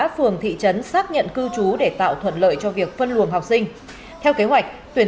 phường thị trấn xác nhận cư trú để tạo thuận lợi cho việc phân luồng học sinh theo kế hoạch tuyển